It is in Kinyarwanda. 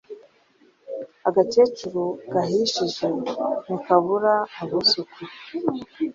Agakecuru gahishije ntikabura abuzukuru